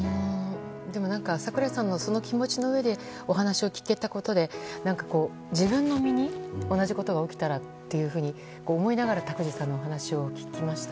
でも、櫻井さんのその気持ちのうえでお話を聞けたことで自分の身に同じことが起きたらというふうに思いながら拓治さんの話を聞きました。